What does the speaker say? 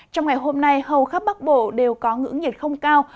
trong ngày hôm nay hầu khắp bắc bộ đều có ngưỡng nhiệt không cao